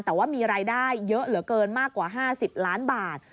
แต่ว่ามีรายได้เยอะเหลือเกินมากกว่า๕๐ล้านบาท